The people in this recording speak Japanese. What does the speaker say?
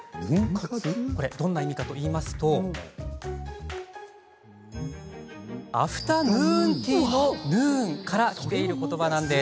これ、どんな意味かというとアフタヌーンティーのヌーンからきていることば。